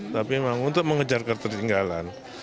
tapi memang untuk mengejar ketertinggalan